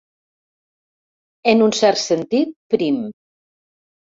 En un cert sentit, prim.